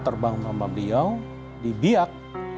terbang sama beliau di biak